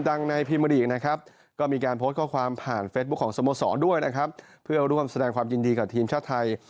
ด้วยนะครับเพื่อร่วมแสดงความยินดีกับทีมชาติไทย